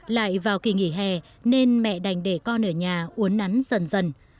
lại vào kỳ nghỉ hè nên mẹ đành để con ở nhà uốn nắn dần dần